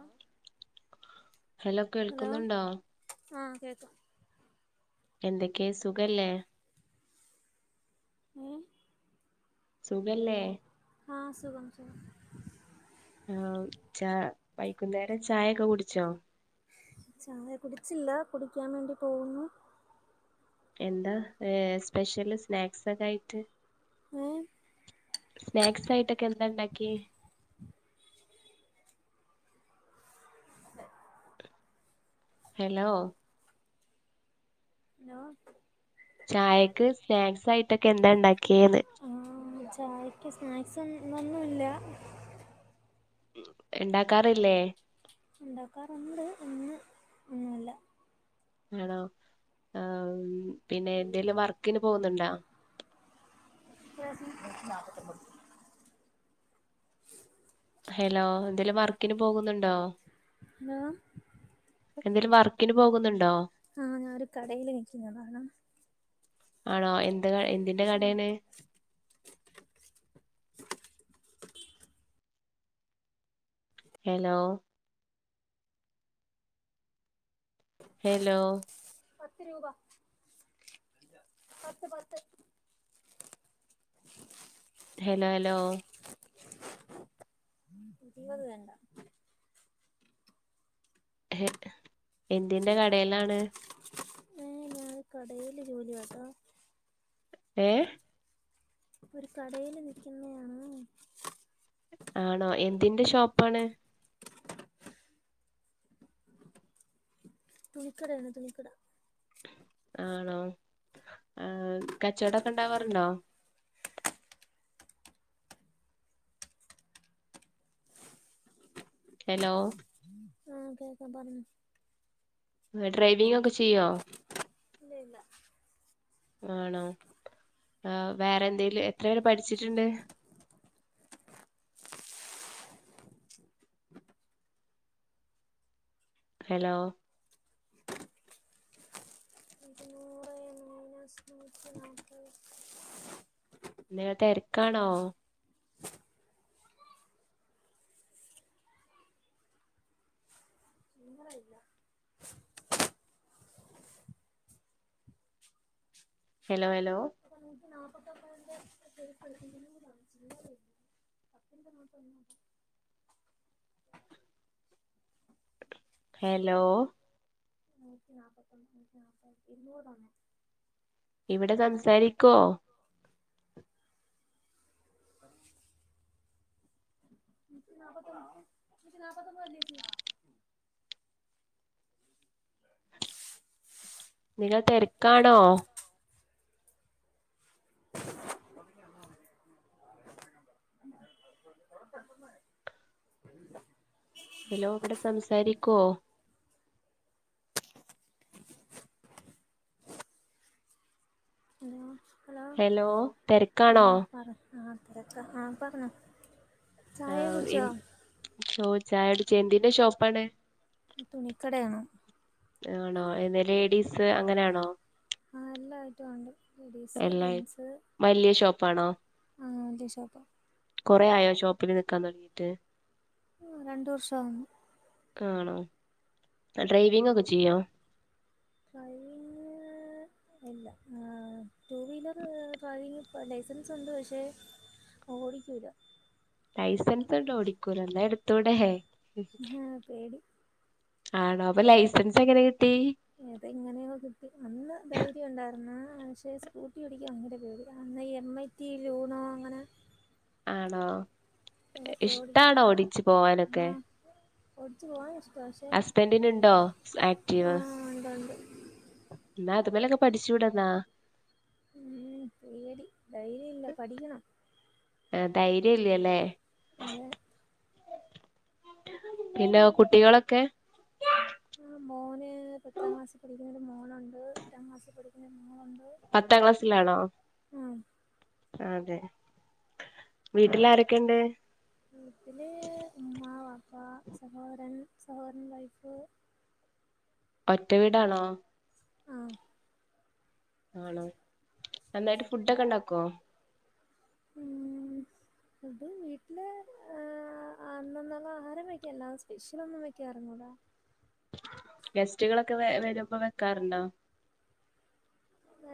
ആഹ്. Hello കേൾക്കുന്നുണ്ടോ? ആഹ് കേക്കാം. എന്തൊക്കെയാ സുഖല്ലേ? ഉം. സുഖല്ലേ? ആഹ് സുഖം സുഖം. ആഹ് ച വൈകുന്നേരം ചായയൊക്കെ കുടിച്ചോ? ചായ കുടിച്ചില്ല കുടിക്കാൻ വേണ്ടി പോകുന്നു. എന്താ ഏഹ് സ്പെഷ്യല് സ്നാക്സ് ഒക്കെ ആയിട്ട് ഏഹ് സ്നാക്സ് ആയിട്ടൊക്കെ എന്താ ഇണ്ടാക്കിയെ? ഹലോ. ഹലോ. ചായക്ക് സ്നാക്സ് ആയിട്ടൊക്കെ എന്താ ഇണ്ടാക്കിയെന്ന്? ആഹ് ചായക്ക് സ്നാക്സ് ഒന്നുവില്ല. ഇണ്ടാക്കാറില്ലേ? ഇണ്ടാക്കാറുണ്ട് ഇന്ന് ഒന്നുല്ല. ആണോ ആഹ് പിന്നെ എന്തേലും വർക്കിന് പോകുന്നുണ്ടാ? നൂറ്റി നാൽപ്പതി ഒൻപത് രൂപ. ഹലോ എന്തേലും വർക്കിന് പോകുന്നുണ്ടോ? എന്നാ? എന്തേലും വർക്കിന് പോകുന്നുണ്ടോ? ആഹ് ഞാനൊരു കടയില് നിക്കുന്നതാണ് ആണോ എന്ത് ക‌ എന്തിന്റെ കടയില്? ഹലോ. ഹലോ. പത്ത് രൂപ പത്ത് പത്ത്. [inaudible] Hello hello. ഇരുപത് വേണ്ട. എന്തിന്റെ കടെയിലാണ്? ഏഹ് ഞാന് കടയില് ജോലിയാട്ട ഏഹ്. ഒരു കടേല് നിൽക്കുന്നയാണ് ആണോ എന്തിന്റെ ഷോപ്പാണ്? തുണി കടയാണ് തുണി കട. ആണോ ആഹ് കച്ചവടൊക്കെ ഇണ്ടാവാറുണ്ടോ? ഹെലോ ഉം [inaudible] ആഹ് കേക്കാം പറഞ്ഞോ ഡ്രൈവിംങൊക്കെ ചെയ്യോ ഇല്ല ഇല്ല ആണോ ആഹ് വേറെന്തേലും എത്ര വരെ പഠിച്ചിട്ടുണ്ട് ഹെലോ ഇരുന്നുറേ മൈനസ് നൂറ്റി നാപ്പത് നിങ്ങൾ തെര്ക്കാണോ ചില്ലറ ഇല്ല ഹെലോ ഹെലോ നൂറ്റി നാപ്പക്കന്റെെ [unintelligible] അപ്പന്ത നോട്ടന്ന [unintelligible] ഹെലോ നൂറ്റി നാപ്പത്തൊന്ന്ൂറ്റ നാപ്പായിരത്തി ഇരൂറ്ൊന്ന [unintelligible] ഇവിടെ സംസാരിക്കോ ന നാപ്പത്ത നച്ച നാപ്പത്തൊന്ന്ല്ലച്ച [unintelligible] ആ [unintelligible] നിങ്ങൾ തെര്ക്കാണോ [unintelligible] ഹെലോ വടെ സംസാരിക്കോ ഹലോ ഹലോ ആഹ് പറയ് ആഹ് തെരക്കാ ആഹ് പർഞ്ഞോ ചായക്കെ കുടിച്ചോ ഓഹ് ചായടിച്ചു എന്തിന്റെ ഷോപ്പാണ് തുണിക്കടയാണ് ആണോ എന്ത ലേഡീസ് അങ്ങനെയാണോ ആഹ് എല്ലാ ഐറ്റും ഒണ്ട് ലേഡീസ് ജെന്റ്സ് വല്യ ഷോപ്പാണോ ആഹ് വല്യ ഷോപ്പ കൊറേ ആയോ ഷോപ്പില് നിക്കാൻ തൊട്ങ്ങിട്ട് ആഹ് രണ്ട് വർഷാകുന്നു ആണോ ഡ്രൈവിംങ്ങൊക്കെ ചെയ്യോ ഡ്രൈവിങ്... ങ്ങ് ഇല്ല ഏഹ് ടു വീലർ ഡ്രൈവിംങ്ങ് ലൈസൻസുണ്ട് പക്ഷേ ഓടിക്കൂല ലൈസൻസ്ണ്ട് ഓടിക്കൂല, ന്നാ എടുത്തൂടേ ആ പേടി ആണോ അപ്പൊ ലൈസൻസെങ്ങനെ കിട്ടി ഏതെങ്ങനെയോ കിട്ടി അന്ന് ധൈര്യം ഉണ്ടായിരുന്ന്, പക്ഷേ സ്കൂട്ടി ഓടിക്കാൻ ഭയങ്കര പേടി, അന്നീ എം ഐ- [unintelligible] അങ്ങനെ ആണോ ഏതൊക്കെ ഓടിക്കും. ഇഷ്ടാണോടിച്ച് ആ പോവാനൊക്കെ ഓടിച്ചു പോകാൻ ഇഷ്ടമാണ്. പക്ഷേ ഹസ് ബന്റിനുണ്ടോ ആക്റ്റീവ, ആ ഉണ്ട് ഉണ്ട്. ന്നാ അത് മ്മലൊക്കെ പഠിച്ചൂടെന്നാ ഉം പേടി ധൈര്യല്ല പഠിക്കണം ഏ ധൈര്യല്യ ലേ അതെ പിന്നെ കുട്ടികളെക്കെ ആ മോന് പത്താം ക്ലാസ്സി പഠിക്കുന്നൊരു മോനൊണ്ട് എട്ടാം ക്ലാസ്സിൽ പഠിക്കുന്ന മോളൊണ്ട്. പത്താം ക്ലാസ്സിലാണോ അതെ വീട്ടില് ആരൊക്കെണ്ട്. വീട്ടില് ഉമ്മ വാപ്പ സഹോദരൻ സഹോദരന്റെ വൈഫ്. ഒറ്റ വീടാണോ ആ ആണോ നന്നായിട്ട് ഫുഡ്ഡൊക്കെ ഒണ്ടാക്കുവോ. ഉം അത് വീട്ടില് ആ ആ അന്നന്നൊള്ള ആഹാരവെയ്ക്കല്ലാ സ്പെഷ്യലൊന്നും വെക്കാറൊന്നൂലാ. ഗസ്റ്റുകളൊക്കെ വ വരുമ്പൊ വെക്കാറൊണ്ടോ. വാ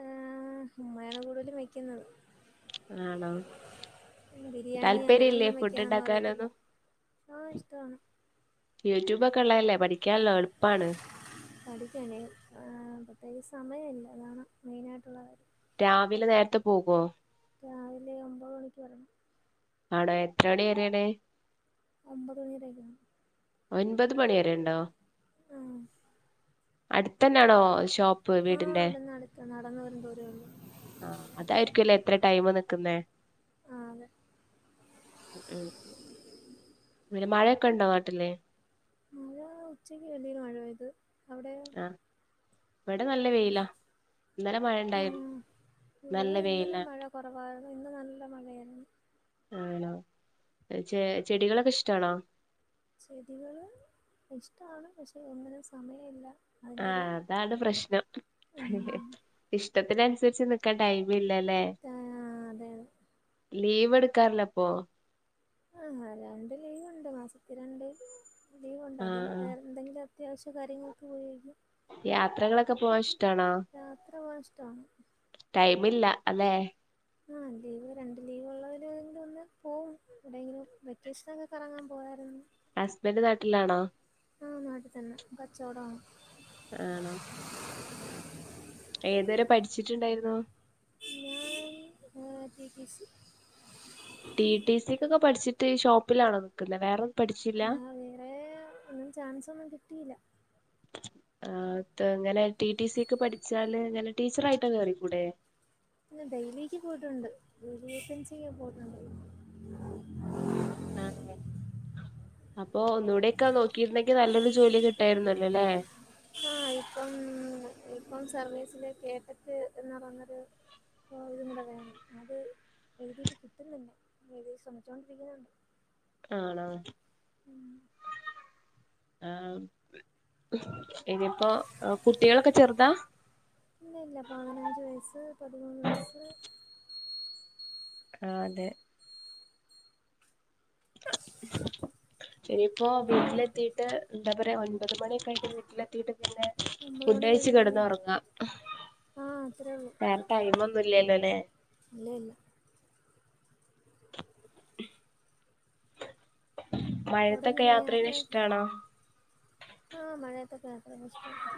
ഉമ്മയാണ് കൂടുതലും വെയ്ക്കുന്നത്. ആണോ ബിരിയാണി താല്പര്യം ഇല്ലേ അങ്ങനൊന്നും ഫുഡ് വെക്കാനൊന്നും ഉണ്ടാക്കാനൊന്നും അറിയത്തില്ല. ആ ഇഷ്ടവാണ്. യൂട്യൂബൊക്കെ ഒള്ളതല്ലേ പഠിക്കാല്ലോ എളുപ്പാണ്. പഠിക്കാനെ ആ പ്രത്യേകിച്ച് സമയമില്ല അതാണ് മെയിനായിട്ടുള്ള കാര്യം. രാവിലെ നേരത്തെ പോകുവോ രാവിലെ ഒമ്പതുമണിക്കെറങ്ങും. ആവിടെ എത്ര മണിവരേണ്. ഒമ്പതുമണി വരെയൊക്കെയാണ്. ഒൻപതുമണി വരെയൊണ്ടോ ഉം അടുത്തന്നെയാണോ ഷോപ്പ്. ആഹ് വീടിന്റെ ഇവിടന്നടുത്ത് നടന്നുവരും ദൂരവൊള്ളു. ആ അതായിരിക്കുവല്ലേ ഇത്ര ടൈമ് നിക്കുന്നെ. ആഹ് അതെ ഉം പിന്നെ മഴയൊക്കെയൊണ്ടോ നാട്ടില്. മഴ ഉച്ചയ്ക്ക് വലിയൊരു മഴപെയ്ത് അവിടെയൊ ആ ഇവിടെ നല്ല വെയിലാ ഇന്നലെ മഴ ഇണ്ടായിരുന്നു. ഉം ഇവിടെ ഇന്നലെ മഴ കൊറവായിരുന്നു ഇന്ന് നല്ല മഴയായിരുന്നു. ആണോ ചെ ചെടികളൊക്കെ ഇഷ്ടാണോ. ചെടികള് ഇഷ്ടാണ് പക്ഷെ ഒന്നിനും സമയമില്ല. ആ അതിന്റെ ഒരു അതാണ് പ്രശ്നം ഉം ഇഷ്ടത്തിനനുസരിച്ച് നി ക്കാൻ ടൈമില്ലാല്ലേ ആ അതെ ലീവെടുക്കാറില്ലപ്പൊ ആ രണ്ടുലീവൊണ്ട് മാസത്തി രണ്ടുലീവൊണ്ട് ആ അതിനു ആ. വേറെ എന്തെങ്കിലും. അത്യാവശ്യ കാര്യങ്ങൾക്ക് ഉപയോഗിക്കും. യാത്രകളൊക്കെ പോവാൻ ഇഷ്ടാണോ. യാത്ര പോവാൻ ഇഷ്ടാ ടൈമില്ല അല്ലെ ആ ലീവ് രണ്ടു ലീവൊള്ളതില് ഏതേലുവൊന്ന് പോവും എവിടെയെങ്കിലും വെക്കേഷനൊക്കെ കറങ്ങാൻ പോയാരുന്നു. ഹസ്ബൻഡ് നാട്ടിലാണോ ആ നാട്ടിതന്നെ കച്ചോടാണ്. ആണോ ഏതുവരെ പഠിച്ചിട്ടൊണ്ടായിരുന്നു. ഞാൻ ആ T T C T T സിക്കൊക്കെ പഠിച്ചിട്ട് ഷോപ്പിലാണോ നിൽക്കുന്നെ വേറൊന്നും പഠിച്ചില്ലാ ആഹ് വേറെ ഒന്നും ചാൻസൊന്നും കിട്ടിയില്ല ആ ഇങ്ങനെ ടി ടി സിക്ക് പഠിച്ചാല് ഇങ്ങനെ ടീച്ചറായിട്ട് കയറി കൂടെ പിന്നെ ഡെയിലിക്ക് പോയിട്ടുണ്ട് ഡെയിലി വേക്കൻസി പോയിട്ടുണ്ട് ആ അപ്പൊ ഒന്നു കൂടെ ഒക്കെ നോക്കിയിരുന്നെങ്കി നല്ലൊരു ജോലി കിട്ടായിരുന്നല്ലോ ല്ലല്ലേ ആഹ് ഇപ്പം ഇപ്പം സർവീസില് കേട്ടറ്റ് എന്ന് പറഞ്ഞൊരു അപ്പോൾ ഇതും കൂടെ വേണം അത് എഴുതിയിട്ട് കിട്ടുന്നില്ല ശ്രമിച്ചുകോണ്ടിരിക്കുന്നുണ്ട് ആണോ ആഹ് ഇനിയിപ്പോ കുട്ടികളൊക്കെ ചെറുതാ ഇല്ലല്ല പതിനഞ്ച് വയസ്സ് പതിമൂന്ന് വയസ്സ് ആഹ് അതെ ഇനിയിപ്പോ ഉം വീട്ടില് എത്തിട്ട ട്ട് എന്താ പറയുക ഒൻപത് മണിയൊക്കെ ആയിട്ട് വീട്ടിലെത്തിയിട്ട് പിന്നെ ഒമ്പത് ഫുഡ് മണി കഴിച്ച് കഴിയുമേ കിടന്ന് ഉറങ്ങാ ആഹ് അത്രയൊള്ളൂ വേറെ ടൈം ഒന്നും ഇല്ലല്ലോ ലേ ഇല്ല ഇല്ല മഴത്തൊക്കെ അവിടെങ്ങനെ യാത്ര ചെയ്യണ യാത്രയ ഇഷ്ടാണോ ആഹ് മഴയത്തൊക്കെ യാത്ര ഒക്കെ ഇഷ്ടാണ്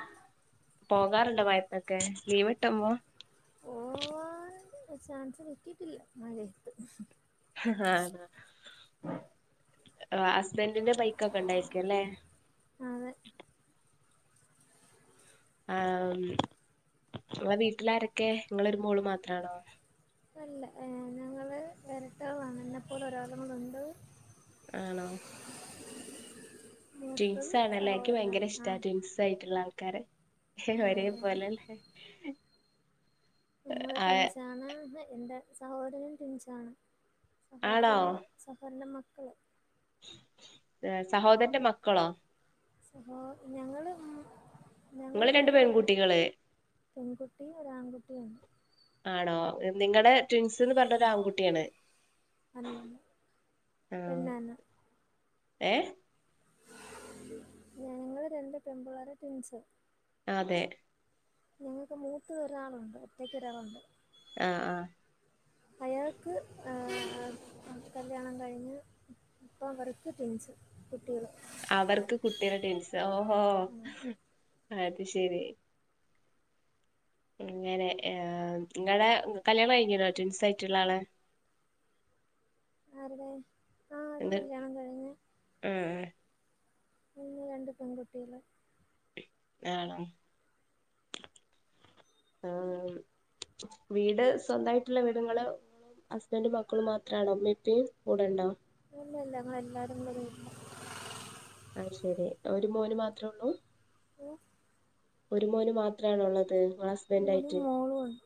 പോകാറുണ്ടോ മഴയത്തൊക്കെ ലീവ് കിട്ടുമ്പോ പോവാൻ ചാൻസ് കട്ടിട്ടില്ല മഴത്ത് ആഹ് ഹസ്ബൻറിന്റെ ബൈക്കൊക്കെ ഉണ്ടായിരിക്കും അല്ലേ അതെ ആഹ് ഇങ്ങളെ വീട്ടിലാരൊക്കെ ഇങ്ങൾ ഒരു മോൾ മാത്രമാണോ അല്ല ഏഹ് ഞങ്ങള് ഇരട്ടകളാണ് എന്നപ്പോലെ ഒരാളുകൂടെ ഉണ്ട് ആണോ ട്വിൻസ് മൂത്തത് ആണല്ലേ ഇൻക്കി സഹോദരനാണ് ഭയങ്കര ഇഷ്ടാ ആഹ് ട്വിൻസ് ആയിട്ടുള്ള ആൾക്കാരെ ആഹ് ഒരേ അതെ പോലെ ല്ലേ ഞങ്ങൾ ട്വിൻസാണ് എന്റെ സഹോദരൻ ട്വിൻസാണ് ആണോ സഹോദരന്റെ സഹോരന്റെ മക്കൾ ഏ സഹോദരന്റെ മക്കളോ സഹോ ഞങ്ങള് ഞങ്ങള് നിങ്ങള് രണ്ട് മൂന്ന് മക്ക പെൺകുട്ടികള് പെൺകുട്ടി ഒരു ആൺകുട്ടിയുണ്ട് ആണോ നിങ്ങളടെ ട്വിൻസ്ന്ന് പറഞ്ഞ ഒരു ആൺകുട്ടിയാണ് അല്ലല്ല ആഹ് പെണ്ണാണ് ഏഹ് ഞങ്ങള് രണ്ട് പെമ്പുള്ളാര് ട്വിൻസ് അതെ ഞങ്ങൾക്ക് മൂത്ത ഒരാളുണ്ട് ഒറ്റക്ക് ഒരാളുണ്ട് ആഹ് ആഹ് അയാൾക്ക് ഏഹ് കല്യാണം കഴിഞ്ഞ് അപ്പ അവർക്ക് ട്വിൻസ് കുട്ടികൾ അവർക്ക് കുട്ടികൾ ട്വിൻസ് ഓഹോ അത് ശരി അങ്ങനെ ഏഹ് നിങ്ങളുടെ കല്യാണം കഴിഞ്ഞിണോ ട്വിൻസ് ആയിട്ടുള്ള ആളെ ആരുടെ ആഹ് അതും കല്യാണം കഴിഞ്‌ ഉം ഉണ്ട് രണ്ട് പെൺകുട്ടികള് വേണം ആഹ് വീട് സ്വന്തായിട്ടുള്ള വീട്ങ്ങള് ഹസ്ബൻഡും മക്കളും മാത്രാണോ ഇമ്മീം ഇപ്പിം കൂടെണ്ടോ അല്ല അല്ല അങ്ങൾ എല്ലാരും കൂടെ ഒരു വീട്ടില അഹ് ശരി ഒരു മോന് മാത്രേ ഉള്ളൂ ഉം ഒരു മോന് മാത്രാണോള്ളത് നിങ്ങളെ ഹസ്ബന്റ് മോനും ആയിട്ട് മോളും ഉണ്ട്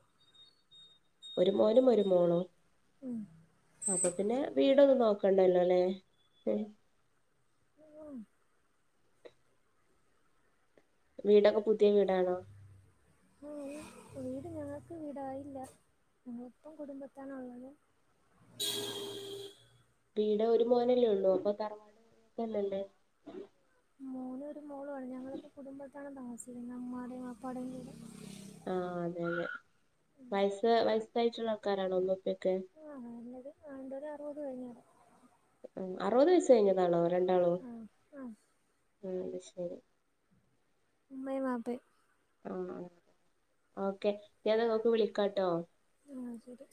ഒരു മോനും ഒരു മോളോ ഉം അപ്പൊ പിന്നെ വീടൊന്നും നോക്കണ്ടല്ലോ അല്ലേ ഉം. വീടൊക്കെ പുതിയ വീടാണോ? ആഹ് വീട് ഞങ്ങൾക്ക് വീടായില്ല ഞങ്ങളിപ്പം കുടുംബത്താണ് ഉള്ളത് വീട് ഒരു മോനല്ലേ ഉള്ളൂ അപ്പൊ തറവാട് [unintelligible] ക്കല്ലല്ലേ മോനും ഒരു മോളു ആണ് ഞങ്ങളിപ്പോ കുടുംബത്താണ് താമസിക്കുന്നത് ഉമ്മാടേയും വാപ്പാടേയും കൂടെ ആഹ് അതെ അതെ വയസ് വയസ്സായിട്ടുള്ള ആൾക്കാരാണോ ഉമ്മീം ഉപ്പി ഒക്കെ? ആഹ് നല്ലത് രണ്ടു പേരും അറുപത് കഴിഞ്ഞതാ ഉം അറുപത് വയസ്സ് കഴിഞ്ഞതാണോ രണ്ടാളും ആ ആ ഉം അത് ശരി ഉമ്മയും വാപ്പയും ആണോ ഓക്കെ പിന്നെ ഏതായാലും ഇങ്ങക്ക് വിളിക്കാട്ടോ ആഹ് ശരി.